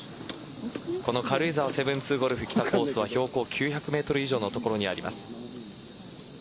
この軽井沢７２ゴルフ北コースは標高９００ｍ以上の所にあります。